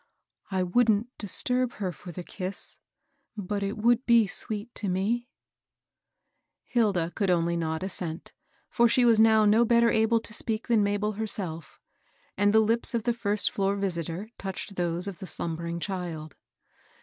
" I wouldn't disturb her for the kiss, but it would be sweet to me 1 " Hilda could only nod assent, for she was now no better able to speak than Mabel herself; and the lips of the first floor visitor touched those of the slumbering child.